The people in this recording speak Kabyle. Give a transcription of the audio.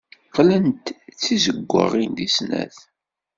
Qqlent d tizewwaɣin deg snat.